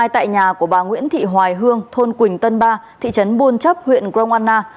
tại nhà của bà nguyễn thị hoài hương thôn quỳnh tân ba thị trấn buôn chấp huyện gromanna